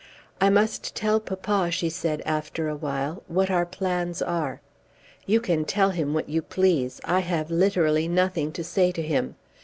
"I must tell papa," she said after a while, "what our plans are." "You can tell him what you please. I have literally nothing to say to him.